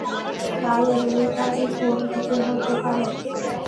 তাই আমেরিকা যে কোন দিকে হতে পারে।